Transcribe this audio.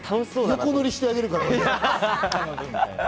横乗りしてあげるから。